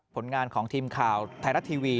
ผลงานของทีมข่าวไทยรัฐทีวี